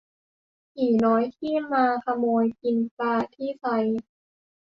ผีน้อยที่มาขโมยกินปลาที่ไซ